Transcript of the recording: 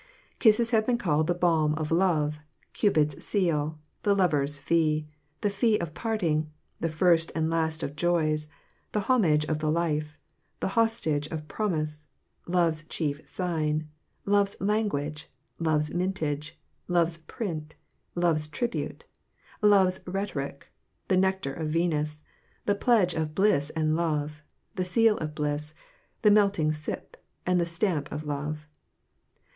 Kisses have been called the balm of love; Cupid's seal; the lover's fee; the fee of parting; the first and last of joys; the homage of the life; the hostage of promise; love's chief sign; love's language; love's mintage; love's print; love's tribute; love's rhetoric; the nectar of Venus; the pledge of bliss and love; the seal of bliss; the melting sip, and the stamp of love.